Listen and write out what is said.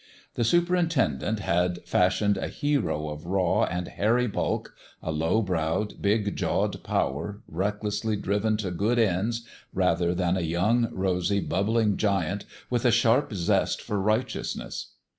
The superintendent had fash ioned a hero of raw and hairy bulk, a low browed, big jawed power, recklessly driven to good ends, rather than a young, rosy, bubbling giant with a sharp zest for righteousness.